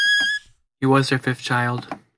He was their fifth child.